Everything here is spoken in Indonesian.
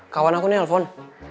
kawan aku nih hampir